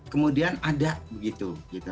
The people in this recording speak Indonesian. kemudian ada gitu